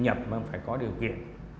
nhập mà phải có điều kiện